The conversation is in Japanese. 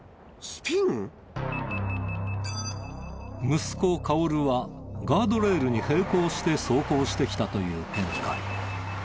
息子薫はガードレールに平行して走行してきたという見解。